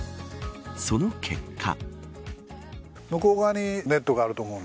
その結果。